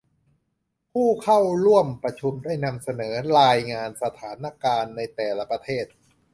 ผู้เข้าร่วมประชุมได้นำนำเสนอรายงานสถานการณ์ในแต่ละประเทศ